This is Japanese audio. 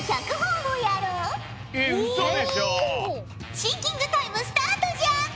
シンキングタイムスタートじゃ！